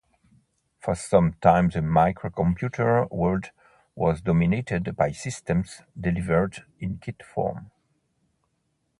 For some time the microcomputer world was dominated by systems delivered in kit form.